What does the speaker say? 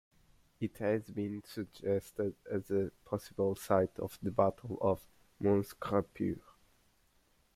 It has been suggested as a possible site of the battle of Mons Graupius.